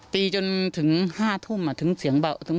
ตีจนถึง๕ทุ่มถึงเสียงเบาถึง